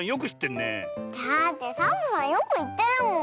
だってサボさんよくいってるもん。